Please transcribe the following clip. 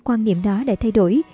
quan niệm đó đã thay đổi